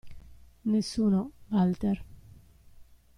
Nessuno, Walter!